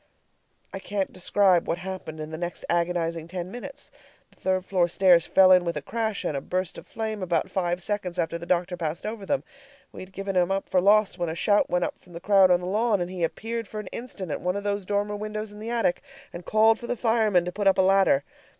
I can't describe what happened in the next agonizing ten minutes. The third floor stairs fell in with a crash and a burst of flame about five seconds after the doctor passed over them. We had given him up for lost when a shout went up from the crowd on the lawn, and he appeared for an instant at one of those dormer windows in the attic, and called for the firemen to put up a ladder.